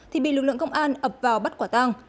thì bị lực lượng công an ập vào bắt quả tang